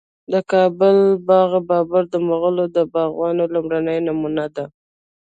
د کابل باغ بابر د مغلو د باغونو لومړنی نمونه ده